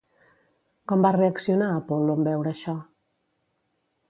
Com va reaccionar Apol·lo en veure això?